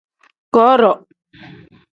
Godo.